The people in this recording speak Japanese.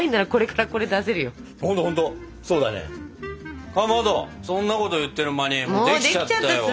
かまどそんなこと言ってる間にもうできちゃったよ。